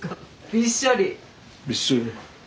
びっしょり。